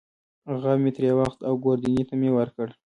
غاب مې ترې واخیست او ګوردیني ته مې ورکړ.